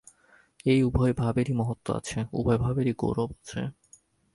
এই উভয় ভাবেরই মহত্ত্ব আছে, উভয় ভাবেরই গৌরব আছে।